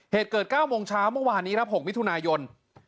เหตุเกิด๙โมงเช้าเมื่อวานนี้ครับ๖มิถุนายน